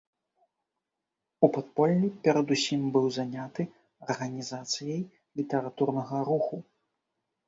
У падполлі перадусім быў заняты арганізацыяй літаратурнага руху.